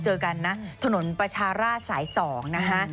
เจอกันนะถนนปัชฌาลาสาย๒นะฮะ